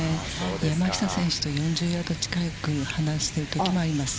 山下選手と４０ヤード近く離しているときもあります。